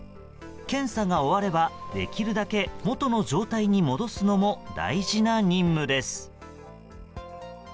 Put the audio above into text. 検査が終わればできるだけ元の状態に戻すのも大事な任務です。